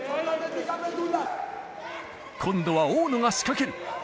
今度は大野が仕掛ける。